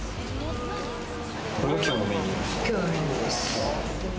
きょうのメニューです。